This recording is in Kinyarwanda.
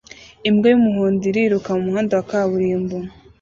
Imbwa y'umuhondo iriruka mumuhanda wa kaburimbo